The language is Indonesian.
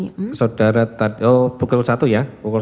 bukan saudara tadi oh pukul satu ya